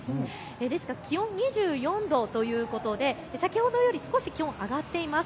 ですが気温２４度ということで先ほどより少し気温が上がっています。